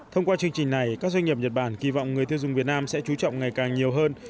thông qua chương trình này các doanh nghiệp nhật bản kỳ vọng người tiêu dùng việt nam sẽ chú trọng ngày càng nhiều hơn